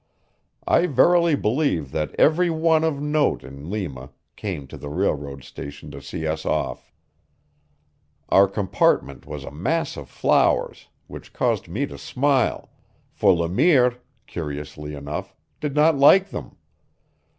I verily believe that every one of note in Lima came to the railroad station to see us off. Our compartment was a mass of flowers, which caused me to smile, for Le Mire, curiously enough, did not like them.